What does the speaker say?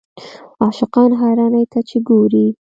عاشق حیرانۍ ته چې ګورې.